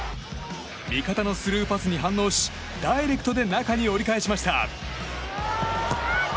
味方のスルーパスに反応しダイレクトで中に折り返しました。